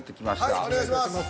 はいお願いします。